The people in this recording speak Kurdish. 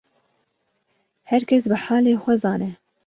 Her kes bi halê xwe zane